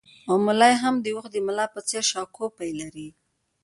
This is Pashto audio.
او ملا یې هم د اوښ د ملا په څېر شاکوپي لري